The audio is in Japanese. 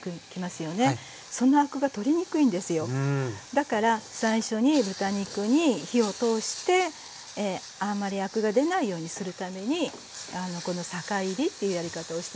だから最初に豚肉に火を通してあんまりアクが出ないようにするためにこの酒いりっていうやり方をしていきます。